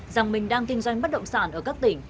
rằng mình đang kinh doanh bất động sản ở các tỉnh